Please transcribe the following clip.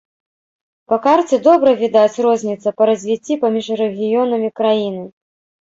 Па карце добра відаць розніца па развіцці паміж рэгіёнамі краіны.